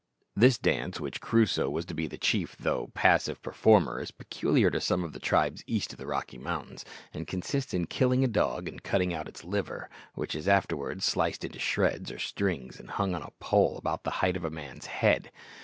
This dance, of which Crusoe was to be the chief though passive performer, is peculiar to some of the tribes east of the Rocky Mountains, and consists in killing a dog and cutting out its liver, which is afterwards sliced into shreds or strings and hung on a pole about the height of a man's head.